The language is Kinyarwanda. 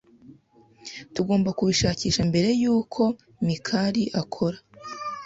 Tugomba kubishakisha mbere yuko Mikali akora.